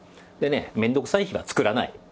でね面倒くさい日は作らない。